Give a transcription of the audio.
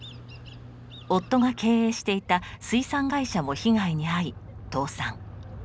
夫が経営していた水産会社も被害に遭い倒産。